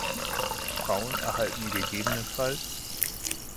Frauen erhalten ggf.